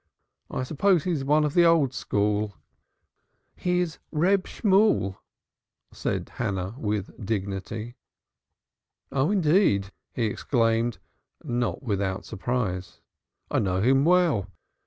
I suppose he's one of the old school." "He is Reb Shemuel," said Hannah, with dignity. "Oh, indeed!" he exclaimed, not without surprise, "I know him well.